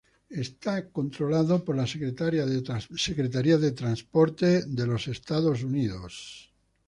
Está controlado por la Secretaría de Transporte de los Estados Unidos.